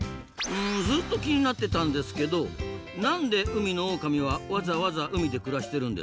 うんずっと気になってたんですけど何で海のオオカミはわざわざ海で暮らしてるんですか？